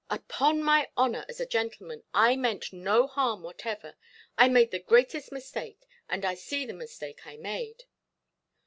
"Upon my honour as a gentleman, I mean no harm whatever. I made the greatest mistake, and I see the mistake I made".